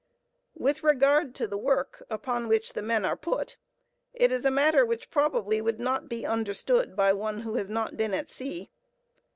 With regard to the work upon which the men are put, it is a matter which probably would not be understood by one who has not been at sea.